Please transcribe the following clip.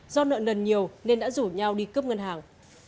do nợ nần nhiều nên đã rủ nhau đi cướp ngân hàng